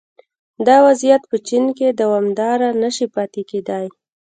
دا وضعیت په چین کې دوامداره نه شي پاتې کېدای